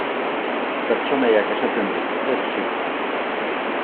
Pertsonaiak esaten du, ez zuk.